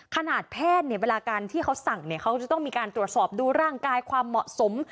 แพทย์เนี่ยเวลาการที่เขาสั่งเขาจะต้องมีการตรวจสอบดูร่างกายความเหมาะสม